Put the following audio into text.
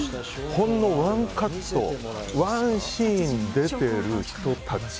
ほんのワンカット、ワンシーンに出ている人たち